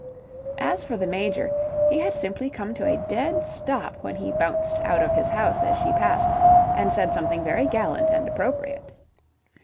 As for the Major, he had simply come to a dead stop when he bounced out of his house as she passed, and said something very gallant and appropriate.